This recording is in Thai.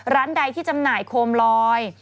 ร้านใดที่จำหน่ายโคมลอย